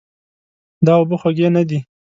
دا اوبه خوږې نه دي.